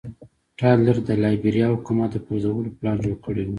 ټایلر د لایبیریا حکومت د پرځولو پلان جوړ کړی و.